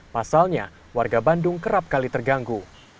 pasalnya warga bandung kerap kali terganggu